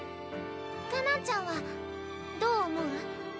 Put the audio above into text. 果南ちゃんはどう思う？